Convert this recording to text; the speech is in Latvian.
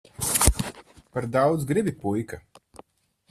Par daudz gribi, puika.